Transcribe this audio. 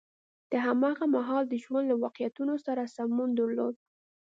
د هماغه مهال د ژوند له واقعیتونو سره سمون درلود.